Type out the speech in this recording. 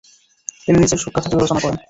তিনি নিচের শোকগাঁথাটিও রচনা করেন